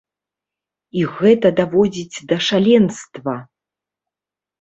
І гэта даводзіць да шаленства.